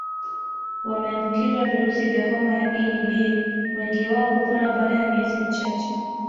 Wameambukizwa virusi vya homa ya ini B wengi wao hupona baada ya miezi michache